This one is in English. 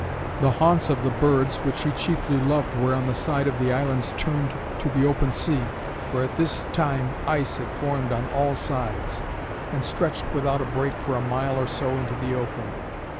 The haunts of the birds which he chiefly loved were on the side of the islands turned to the open sea, for at this time ice had formed on all sides, and stretched without a break for a mile or so into the open.